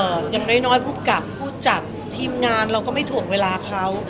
อย่างน้อยน้อยผู้กับผู้จัดทีมงานเราก็ไม่ถ่วงเวลาเขา